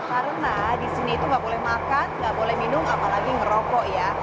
karena di sini itu nggak boleh makan nggak boleh minum apalagi ngerokok ya